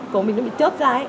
cổ mình nó bị chớp ra ấy